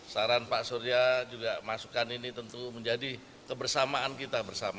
saran pak surya juga masukan ini tentu menjadi kebersamaan kita bersama